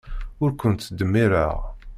Ur kent-ttdemmireɣ.